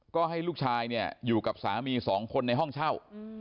ก็ให้ลูกชายอยู่กับสามี๒คนในห้องเช่า